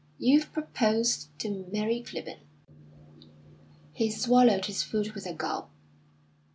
You've proposed to Mary Clibborn." He swallowed his food with a gulp.